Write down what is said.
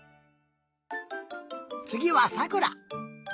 つぎはさくら。